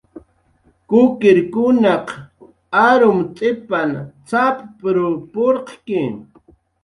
"Kukirkunaq arumt'ipan cx""app""w purqki"